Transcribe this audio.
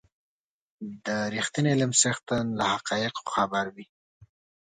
د رښتيني علم څښتن له حقایقو خبر وي.